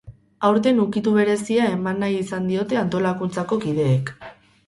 Aurten, ukitu berezia eman nahi izan diote antolakuntzako kideek.